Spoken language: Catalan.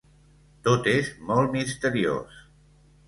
Tot és molt misteriós.